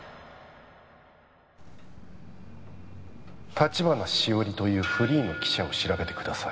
☎橘しおりというフリーの記者を調べてください